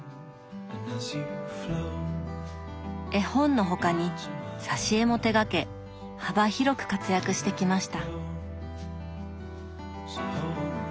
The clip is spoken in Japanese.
絵本の他に挿絵も手がけ幅広く活躍してきました。